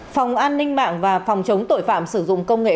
phòng an ninh mạng và phòng chống tội phạm sử dụng công nghệ